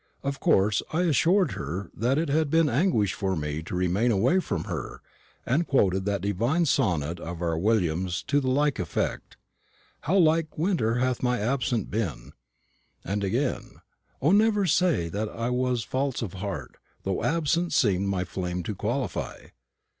Of course I assured her that it had been anguish for me to remain away from her, and quoted that divine sonnet of our William's to the like effect: "How like a winter hath my absence been!" and again: "O, never say that I was false of heart, Though absence seemed my flame to qualify."